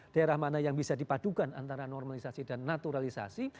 daerah mana yang bisa dipadukan antara normalisasi dan naturalisasi